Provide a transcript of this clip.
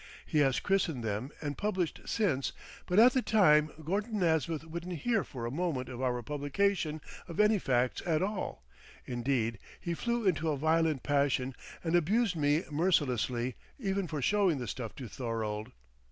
He has christened them and published since, but at the time Gordon Nasmyth wouldn't hear for a moment of our publication of any facts at all; indeed, he flew into a violent passion and abused me mercilessly even for showing the stuff to Thorold.